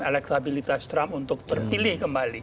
elektabilitas trump untuk terpilih kembali